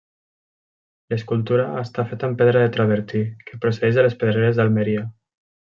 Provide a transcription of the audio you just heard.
L'escultura està feta amb pedra de travertí que procedeix de les pedreres d'Almeria.